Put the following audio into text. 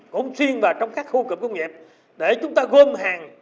cũng xuyên vào trong các khu cục công nghiệp để chúng ta gom hàng